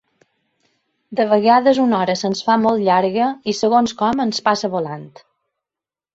De vegades una hora se'ns fa molt llarga i segons com ens passa volant.